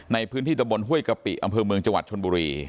ในพื้นที่ตะบนห้วยกะปิอำเภอเมืองจังหวัดชนบุรี